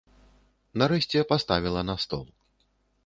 Нарэшце паставіла на стол.